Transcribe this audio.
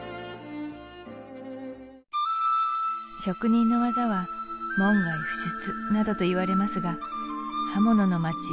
職人の技は門外不出などといわれますが刃物の町